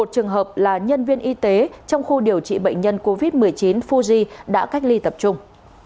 một trường hợp là nhân viên y tế trong khu điều trị bệnh nhân covid một mươi chín fuji đã cách ly tập trung